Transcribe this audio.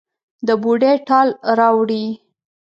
د بوډۍ ټال راوړي